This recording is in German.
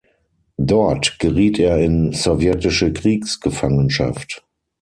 Dort geriet er in sowjetische Kriegsgefangenschaft.